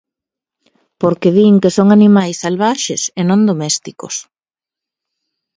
Porque din que son animais salvaxes e non domésticos.